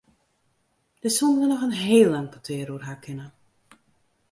Dêr soenen we noch in heel lang petear oer ha kinne.